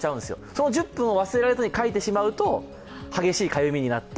その１０分を忘れずにかいてしまうと、激しいかゆみになって